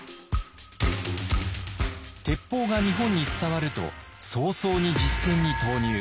鉄砲が日本に伝わると早々に実戦に投入。